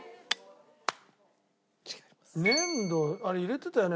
粘土あれ入れてたよね？